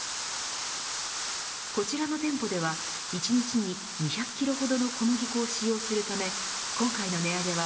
こちらの店舗では１日に２００キロほどの小麦粉を使用するため今回の値上げは